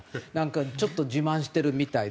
ちょっと自慢しているみたいで。